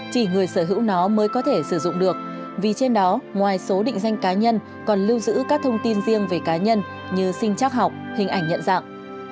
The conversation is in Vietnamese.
chỉ người sở hữu nó mới có thể sử dụng được vì trên đó ngoài số định danh cá nhân còn lưu giữ các thông tin riêng về cá nhân như sinh chắc học hình ảnh nhận dạng